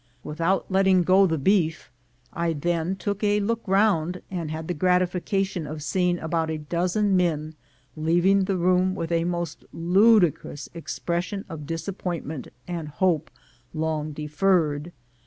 Without letting go the beef, I then took a look round, and had the gratification of seeing about a dozen men leaving the room, with a most ludicrous expression of disappointment and hope long deferred.